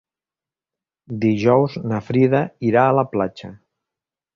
Dijous na Frida irà a la platja.